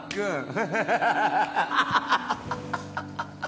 ハハハハ。